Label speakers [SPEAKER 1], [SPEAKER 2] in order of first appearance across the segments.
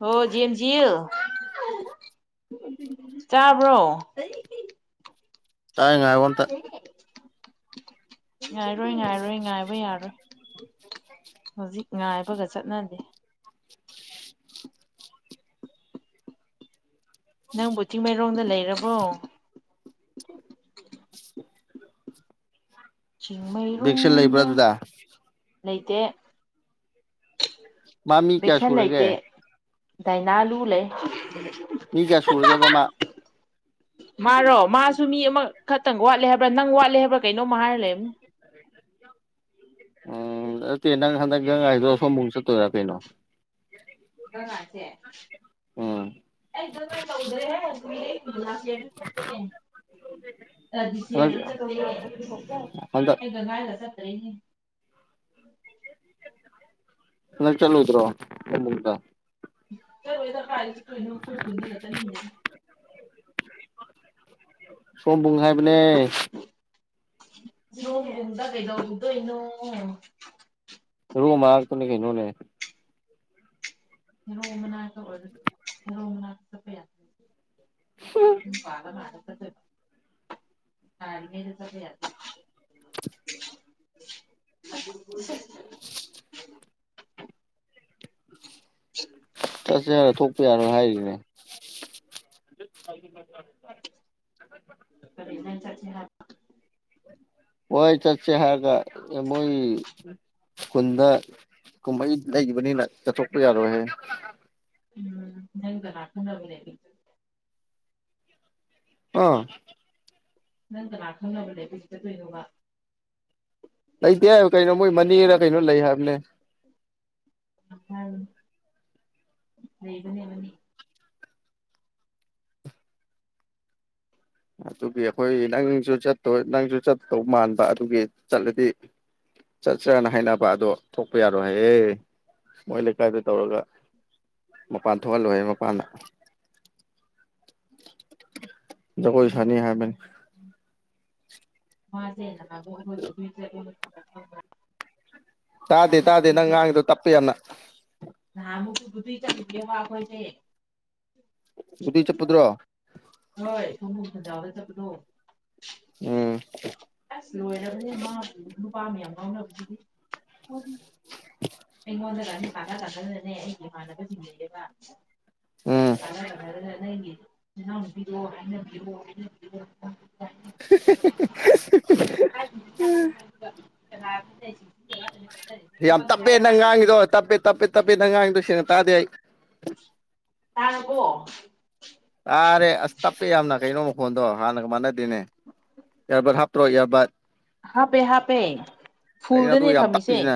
[SPEAKER 1] ꯍꯣ ꯖꯦꯟꯖꯤꯜ ꯆꯕꯔꯣ
[SPEAKER 2] ꯇꯥꯏ ꯉꯥꯏꯑꯣ ꯑꯝꯇꯥ
[SPEAKER 1] ꯉꯥꯏꯔꯣꯏ ꯉꯏꯔꯣꯏ ꯉꯥꯏꯕꯥ ꯌꯥꯔꯣꯏ ꯍꯧꯖꯤꯛ ꯉꯥꯏꯕꯒꯥ ꯆꯠꯅꯗꯦ ꯅꯪꯕꯨ ꯆꯤꯡꯃꯩꯔꯣꯡꯗ ꯂꯩꯔꯕꯣ
[SPEAKER 2] ꯚꯦꯛꯁꯤꯟ ꯂꯩꯕ꯭ꯔꯥ
[SPEAKER 1] ꯆꯤꯡꯃꯩꯔꯣꯡꯗ
[SPEAKER 2] ꯑꯗꯨꯗ
[SPEAKER 1] ꯂꯩꯇꯦ
[SPEAKER 2] ꯃꯥ ꯃꯤ ꯀꯌꯥ
[SPEAKER 1] ꯕꯦꯛꯁꯟ
[SPEAKER 2] ꯁꯨꯔꯒꯦ
[SPEAKER 1] ꯂꯩꯇꯦ ꯗꯥꯏꯅꯥꯂꯨ ꯂꯩ
[SPEAKER 2] ꯃꯤ ꯀꯌꯥ ꯁꯨꯔꯥꯒꯦꯕꯥ ꯃꯥ
[SPEAKER 1] ꯃꯥꯔꯣ ꯃꯥꯁꯨ ꯃꯤ ꯑꯃꯈꯛꯇꯪ ꯋꯥꯠꯂꯦ ꯅꯪ ꯋꯥꯠꯂꯦ ꯍꯥꯏꯕꯔꯥ ꯀꯩꯅꯣꯝ ꯍꯥꯏꯔ ꯂꯩꯕ
[SPEAKER 2] [unintelligible] [unintelligible] ꯀꯩꯅꫭ
[SPEAKER 1] [unintelligible] ꯑꯩ ꯒꯟꯒꯥꯏ ꯇꯧꯗꯔꯦ ꯍꯦ ꯂꯥꯁꯇ
[SPEAKER 2] ꯍꯟꯗꯛ ꯍꯟꯗꯛ
[SPEAKER 1] [unintelligible] [unintelligible]
[SPEAKER 2] ꯅ‌ꯣꯢ ꯆꯠꯂꯣꯏꯗ꯭ꯔ‌ꯣ ꯆꯠꯂ‌ꯣꯢꯗ꯭ꯔ
[SPEAKER 1] ꯆꯠꯂꯣꯏꯗ ꯀꯥꯏꯗꯩꯩ ꯆꯠꯇꯨꯏꯅꯣ ꯑꯩꯈꯣꯏ ꯈꯨꯟꯗꯒꯥ ꯆꯠꯅꯤꯡꯗꯦ
[SPEAKER 2] ꯁꯥꯑꯣꯝꯕꯨꯡ ꯍꯥꯏꯕꯅꯦ
[SPEAKER 1] ꯀꯩꯗꯧꯔꯨꯗꯨꯏꯅꯣ [unintelligible]
[SPEAKER 2] [unintelligible] ꯃꯅꯥꯛꯇꯅ‌ꯦ ꯀꯩꯅ‌ꯣꯅ‌ꯦ
[SPEAKER 1] [unintelligible] [unintelligible] [unintelligible] [unintelligible] [unintelligible]
[SPEAKER 2] [unintelligible] ꯆꯥꯛ ꯆꯥꯔ ꯊꯣꯛꯇ ꯌꯥꯔꯣꯏ ꯍꯥꯏꯔꯤꯅꯦ꯫ [unintelligible]
[SPEAKER 1] ꯀꯔꯤ ꯅꯪ ꯆꯠꯁꯦ ꯍꯥꯏꯕ
[SPEAKER 2] ꯍꯣꯏ ꯆꯠꯁꯦ ꯍꯥꯏꯔꯒ ꯃꯣꯏꯒꯤ ꯈꯨꯟꯗ ꯀꯨꯝꯃꯩ ꯂꯩꯕꯅꯤꯅ ꯆꯠꯊꯣꯛꯄ ꯌꯥꯔꯣꯢ ꯍꯥꯏ꯫
[SPEAKER 1] ꯎꯝ ꯅꯪ ꯀꯅꯥ ꯈꯪꯅꯕ ꯂꯩꯒ‌ꯦ
[SPEAKER 2] ꯑꯥ
[SPEAKER 1] ꯅꯪ ꯀꯅꯥ ꯈꯪꯅꯕ ꯂꯩꯕ ꯍꯧꯖꯤꯛ ꯆꯠꯇꯣꯏꯅꯣꯕ꯫
[SPEAKER 2] ꯂꯧꯇꯦ ꯍꯥꯏꯕ ꯀꯩꯅꯣ ꯃꯣꯢ ꯃꯅꯦꯔ ꯀꯩꯅꯣ ꯂꯩ ꯍꯥꯏꯕꯅꯦ꯫
[SPEAKER 1] ꯎꯝ ꯂꯩꯕꯅꯦ ꯃꯅꯦ꯫
[SPEAKER 2] ꯑꯗꯨꯒꯤ ꯑꯩꯈꯣꯢ ꯅꯪꯖꯨ ꯆꯠ ꯍꯣꯢ ꯅꯪꯖꯨ ꯆꯠꯇꯧ ꯃꯥꯟ ꯑꯗꯨꯒꯤ ꯆꯠꯂꯗꯤ ꯆꯠꯁꯤꯔ ꯍꯥꯏꯅꯕ ꯑꯗꯣ ꯊꯣꯛꯄ ꯌꯥꯔꯣꯏ ꯍꯥꯏꯌꯦ ꯃꯣꯏ ꯂꯩꯀꯥꯏꯗ ꯇꯧꯔꯒ ꯃꯄꯥꯟ ꯊꯣꯛꯍꯜꯂꯣꯏꯌꯦ ꯃꯄꯥꯅ꯫ ꯖꯒꯣꯏ ꯁꯥꯅꯤ ꯍꯥꯏꯕꯅꯤ꯫
[SPEAKER 1] [unintelligible] [unintelligible]
[SPEAKER 2] ꯇꯥꯗꯦ
[SPEAKER 1] ꯑꯗꯨ
[SPEAKER 2] ꯇꯥꯗꯦ
[SPEAKER 1] ꯒꯨꯗꯨꯏ
[SPEAKER 2] ꯅꯪꯪ
[SPEAKER 1] ꯆꯠ
[SPEAKER 2] ꯉꯥꯡꯉꯤꯗꯣ ꯇꯞꯄꯦ ꯌꯥꯝꯅ꯫
[SPEAKER 1] [unintelligible]
[SPEAKER 2] [unintelligible]
[SPEAKER 1] ꯍꯣꯢ [unintelligible] ꯆꯠꯄꯗꯣ꯫
[SPEAKER 2] ꯎꯝ꯫
[SPEAKER 1] ꯑꯁ ꯂꯣꯏꯔꯕꯅꯦ ꯃꯥꯕꯨ ꯅꯨꯄꯥ ꯃꯌꯥꯝꯅ ꯉꯥꯎꯅꯕꯗꯨ ꯑꯩꯉꯣꯟꯗ ꯀꯥꯁꯦ ꯇꯥꯟꯅ ꯇꯥꯟꯅꯗꯅꯅꯦ ꯑꯩꯒꯤ ꯏꯃꯥꯟꯅꯕꯁꯤꯡ ꯂꯩꯌꯦꯕ
[SPEAKER 2] ꯎꯝ
[SPEAKER 1] [unintelligible] ꯅꯅꯥꯎꯅꯨꯄꯤꯗꯣ ꯍꯥꯏꯅꯕꯤꯔꯣ ꯍꯥꯏꯅꯕꯤꯔꯣ [unintelligible]
[SPEAKER 2] [unintelligible]
[SPEAKER 1] ꯀꯅꯥ [unintelligible]
[SPEAKER 2] ꯌꯥꯝ ꯇꯞꯄꯦ ꯅꯪ ꯉꯥꯡꯉꯤꯗꯣ ꯇꯞꯄꯦ ꯇꯞꯄꯦ ꯇꯞꯄꯦ ꯅꯪ ꯉꯥꯡꯉꯤꯗꯣ ꯫ ꯁꯦꯡꯅ ꯇꯥꯗꯦ ꯑꯩ꯫
[SPEAKER 1] ꯇꯥꯔꯕꯣ꯫
[SPEAKER 2] ꯇꯥꯔꯦ ꯑꯁ ꯇꯞꯄꯦ ꯌꯥꯝꯅ ꯀꯩꯅꯣ ꯃꯈꯣꯟꯗꯣ ꯍꯥꯟꯅꯒ ꯃꯥꯟꯅꯗꯦꯅꯦ ꯑ꯭ꯌꯕꯠ ꯍꯥꯞꯇ꯭ꯔꯣ ꯑ꯭ꯌꯕꯠ꯫
[SPEAKER 1] ꯍꯥꯞꯄꯦ ꯍꯥꯞꯄꯦ
[SPEAKER 2] ꯀꯩꯅꯣ ꯑꯗꯨ
[SPEAKER 1] ꯐꯨꯜꯗꯅꯦ
[SPEAKER 2] ꯌꯥꯝ
[SPEAKER 1] ꯊꯝꯃꯤꯁꯦ
[SPEAKER 2] ꯇꯞꯄꯤꯁꯤꯅ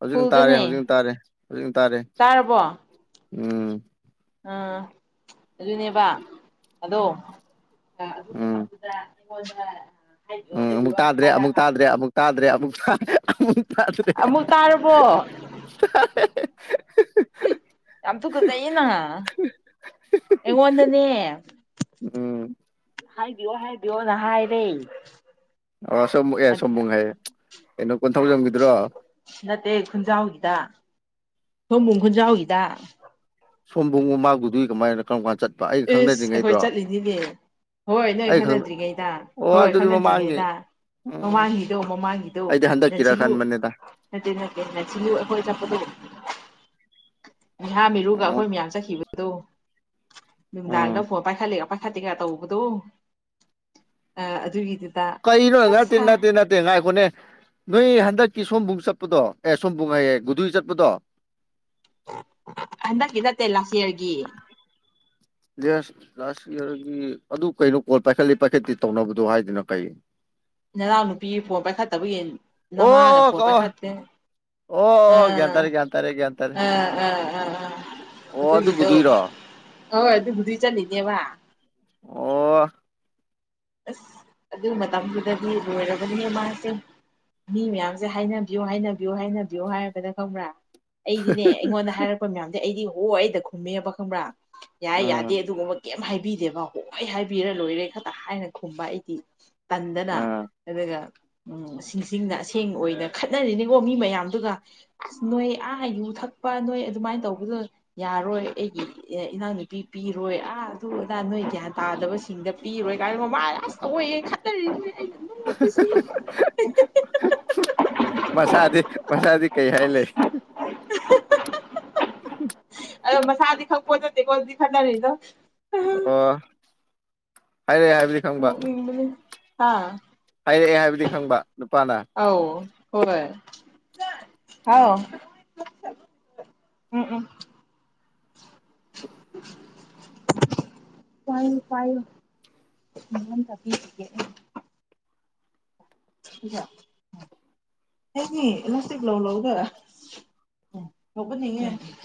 [SPEAKER 2] ꯍꯧꯖꯤꯛꯅ ꯇꯥꯔꯦ
[SPEAKER 1] ꯐꯨꯜꯗꯅꯦ
[SPEAKER 2] ꯍꯧꯖꯤꯛꯅ ꯇꯥꯔꯦ ꯍꯧꯖꯤꯛꯅ ꯇꯥꯔꯦ
[SPEAKER 1] ꯇꯥꯔꯕꯣ꯫
[SPEAKER 2] ꯎꯝ꯫
[SPEAKER 1] ꯑꯪ ꯑꯗꯨꯗꯤꯅꯦꯕ ꯑꯗꯣ ꯑꯥ ꯑꯗꯨ ꯃꯇꯝꯗꯨꯗ ꯑꯩꯉꯣꯟꯗ ꯑꯪ
[SPEAKER 2] ꯎꯨꯝ ꯑꯃꯨꯛ ꯇꯥꯗ꯭ꯔꯦ ꯑꯃꯨꯛ ꯇꯥꯗ꯭ꯔꯦ ꯑꯃꯨꯛ ꯇꯥꯗ꯭ꯔꯦ ꯑꯃꯨꯛ ꯑꯍꯥ-ꯑꯃꯨꯛ
[SPEAKER 1] ꯑꯃꯨꯛ ꯇꯥꯔꯕꯣ
[SPEAKER 2] ꯑꯗꯨꯅꯦ-ꯑꯍ-ꯑꯍ-ꯍ-ꯑꯍ-ꯍꯦ
[SPEAKER 1] ꯍꯨꯝ ꯌꯥꯝ ꯇꯨꯒꯖꯩꯌꯦꯅ ꯑꯩꯉꯣꯟꯗꯅꯦ
[SPEAKER 2] ꯎꯝ
[SPEAKER 1] ꯍꯥꯕꯤꯌꯣ ꯍꯥꯕꯤꯌꯣꯅ ꯍꯥꯏꯔꯦ
[SPEAKER 2] ꯑꯥ ꯁꯋꯣꯝꯕꯨꯡ ꯑꯦ ꯁꯌꯣꯝꯕꯨꯡ ꯍꯥꯏꯌꯦ ꯆꯞ ꯀꯣꯟꯊꯧꯖꯝꯒꯤꯗꯨꯔꯣ
[SPEAKER 1] ꯁꯑꯣꯝꯕꯨꯡ ꯈꯨꯟꯖꯥꯎꯒꯤꯗ
[SPEAKER 2] ꯁꯑꯣꯝꯕꯨꯡꯗꯨꯗꯤ ꯃꯥꯕꯨꯗꯤ ꯀꯃꯥꯏꯅ ꯀꯔꯝꯀꯥꯟ ꯆꯠ
[SPEAKER 1] ꯏꯁ ꯑꯩꯈꯣꯏ ꯆꯠꯂꯤꯅꯤꯅꯦ ꯍꯣꯏ ꯅꯣꯒ
[SPEAKER 2] ꯑꯩ ꯈꯪ ꯑꯣ ꯑꯗꯨꯗꯤ ꯃꯃꯥꯡꯒꯤ ꯎꯝ
[SPEAKER 1] ꯈꯪꯅꯗ꯭ꯔꯤꯉꯩꯗꯃꯃꯥꯡꯒꯤꯗꯣ-ꯃꯃꯥꯡꯒꯤꯗꯣ
[SPEAKER 2] ꯑꯩꯗꯤ ꯍꯟꯗꯛꯀꯤꯔ
[SPEAKER 1] ꯂꯁꯤꯜꯂꯨ
[SPEAKER 2] ꯈꯟꯕꯅꯤꯗ
[SPEAKER 1] ꯅꯠꯇꯦ-ꯅꯠꯇꯦ ꯂꯁꯤꯜꯂꯨ ꯑꯩꯈꯣꯏ ꯆꯠꯄꯗꯨ ꯉꯍꯥꯃꯤꯔꯨꯒ
[SPEAKER 2] ꯎꯝ
[SPEAKER 1] ꯑꯩꯈꯣꯏ ꯃꯌꯥꯝ ꯆꯠꯈꯤꯕ ꯑꯗꯣ ꯅꯨꯡꯗꯥꯡꯗ
[SPEAKER 2] ꯎꯝ
[SPEAKER 1] ꯐꯣꯟ ꯄꯥꯏꯈꯠꯂꯤ ꯑꯈꯣꯏ ꯐꯠꯇꯦꯒ ꯇꯧꯕꯗꯣ ꯑꯥ- ꯑꯗꯨꯒꯤꯗꯨ
[SPEAKER 2] ꯀꯔꯤꯅꯣ ꯅꯠꯇꯦ-ꯅꯠꯇꯦ-ꯅꯠꯇꯦ ꯉꯥꯏꯈꯣꯅꯦ ꯅꯣꯏ ꯍꯟꯗꯛ ꯀꯤ ꯁꯑꯣꯝꯕꯨꯡ ꯆꯠꯄꯗꯣ ꯑꯦ ꯁꯑꯣꯝꯕꯨꯝ ꯍꯥꯏꯌꯦꯒꯨꯗꯨ ꯆꯠꯄꯗꯣ
[SPEAKER 1] ꯍꯟꯗꯛꯀꯤ ꯅꯠꯇꯦ ꯂꯥꯁ ꯌꯤꯑꯔꯒꯤ
[SPEAKER 2] ꯌꯦꯁ ꯂꯥꯁ ꯌꯤꯑꯔꯒꯤ ꯑꯗꯨ ꯀꯩꯅꯣ ꯀꯣꯜ ꯄꯥꯏꯈꯠꯂꯤ ꯄꯥꯏꯈꯠꯇꯦ ꯇꯧꯅꯕꯗꯣ ꯍꯥꯏꯗꯨꯅ ꯀꯩ
[SPEAKER 1] ꯅꯅꯥꯎ ꯅꯨꯄꯤꯒꯤ ꯀꯣꯜ ꯄꯥꯏꯈꯠꯇꯕꯒꯤ ꯅꯃꯥꯅ
[SPEAKER 2] ꯑꯣ-ꯑꯣ
[SPEAKER 1] ꯐꯣꯟ
[SPEAKER 2] ꯀꯥꯎꯑ
[SPEAKER 1] ꯄꯥꯏꯈꯠꯇꯦ
[SPEAKER 2] ꯑꯣ-ꯒꯌꯥꯟ ꯇꯥꯔꯦ ꯒꯌꯥꯟ ꯇꯥꯔꯦ ꯒꯌꯥꯟ ꯇꯥꯔꯦ
[SPEAKER 1] ꯑꯥ-ꯑꯥ
[SPEAKER 2] ꯑꯣ ꯑꯗꯨ
[SPEAKER 1] ꯑꯗꯨꯒꯤꯗꯣ
[SPEAKER 2] ꯒꯨꯗꯨꯏꯔꯣ
[SPEAKER 1] ꯑꯣꯏ ꯑꯗꯨꯕꯨꯗꯤ ꯆꯠꯂꯤꯅꯦꯕ
[SPEAKER 2] ꯑꯣ
[SPEAKER 1] ꯑꯁ ꯑꯗꯨ ꯃꯇꯝꯗꯨꯗꯗꯤ ꯂꯣꯏꯔꯕꯅꯦ ꯃꯥꯁꯦ ꯃꯤ ꯃꯌꯥꯝꯁꯦ ꯍꯥꯏꯅꯕꯤꯌꯣ-ꯍꯥꯏꯅꯕꯤꯌꯣ-ꯍꯥꯏꯅꯕꯤꯌꯣ ꯍꯥꯏꯕꯗ ꯈꯪꯕ꯭ꯔ ꯑꯩꯗꯤꯅꯦ ꯑꯩꯉꯣꯟꯗ ꯍꯥꯏꯔꯛꯄ ꯃꯌꯥꯝꯗꯣ ꯑꯩꯗꯤ ꯑꯣ-ꯑꯩꯗ ꯈꯨꯝꯃꯦꯕ ꯈꯪꯕ꯭ꯔ ꯌꯥꯏ
[SPEAKER 2] ꯎꯝ
[SPEAKER 1] ꯌꯥꯗꯦ ꯑꯗꯨꯒꯨꯝꯕ ꯀꯦꯝ ꯍꯥꯏꯕꯤꯗꯦꯕ ꯍꯣꯏ ꯍꯥꯏꯕꯤꯔ ꯂꯣꯏꯔꯦ ꯈꯇ ꯍꯥꯏꯅ ꯈꯨꯝꯕ ꯑꯩꯗꯤ ꯇꯟꯗꯅ
[SPEAKER 2] ꯎꯝ
[SPEAKER 1] ꯑꯗꯨꯒ [unintelligible] ꯑꯥꯏ ꯑꯁ ꯑꯋꯣꯏꯒꯩ ꯈꯠꯅꯔꯤꯅꯤ
[SPEAKER 2] [unintelligible]
[SPEAKER 1] ꯑꯩꯉꯣꯟꯗꯗꯤ ꯈꯠꯅꯔꯤꯗꯣ
[SPEAKER 2] ꯑꯣ- ꯍꯥꯏꯔꯦ ꯍꯥꯏꯕꯗꯤ ꯈꯪꯕ
[SPEAKER 1] ꯅꯣꯛꯅꯤꯡꯕꯅꯤ ꯍꯥ
[SPEAKER 2] ꯍꯥꯏꯔꯛꯑ ꯍꯥꯏꯕꯗꯤ ꯈꯪꯕ ꯅꯨꯄꯥꯅ
[SPEAKER 1] ꯑꯧ ꯍꯣꯏ ꯍꯥꯎ
[SPEAKER 2] ꯑꯣ
[SPEAKER 1] ꯎꯝ ꯎꯝ [inaudible] ꯇꯥꯏꯌꯦ ꯇꯥꯏꯌꯦ [unintelligible] ꯑꯩꯒꯤ [inaudible] [inaudible] [inaudible] [inaudible] [inaudible] [inaudible] [inaudible]